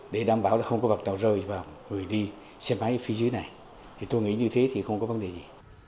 để đảm bảo không có vật nào rơi vào người đi xe máy phía dưới này tôi nghĩ như thế thì không có vấn đề gì